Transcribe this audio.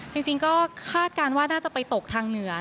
จริงก็คาดการณ์ว่าน่าจะไปตกทางเหนือ